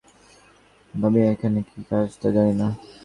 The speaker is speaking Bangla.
ভাবিস না এখানে কী চলছে তা জানি না।